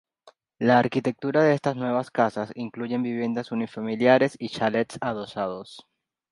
La arquitectura de alguna de estas nuevas casas incluyen viviendas unifamiliares y chalets adosados.